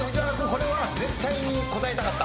これは絶対に答えたかった？